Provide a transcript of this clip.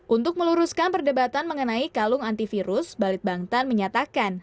untuk meluruskan perdebatan mengenai kalung antivirus balit bangtan menyatakan